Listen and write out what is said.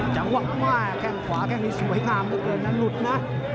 จังหวะมาแข้งขวาแค่งนี้สวยงามเหลือเกินนะหลุดนะ